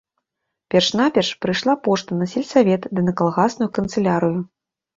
Перш-наперш прыйшла пошта на сельсавет ды на калгасную канцылярыю.